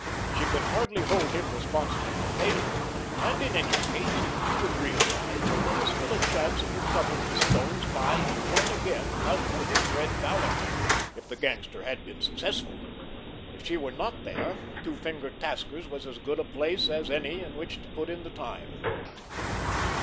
She could hardly hold him responsible for failure; and, in any case, she would realize that there was still the chance of recovering the stones by, in turn again, outwitting Red Vallon, if the gangster had been successful. If she were not there, Two finger Tasker's was as good a place as any in which to put in the time.